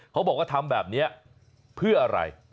เขาบอกว่าทำแบบนี้เพื่ออะไร